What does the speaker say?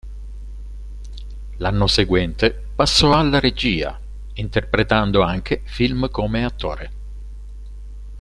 L'anno seguente, passò alla regia, interpretando anche film come attore.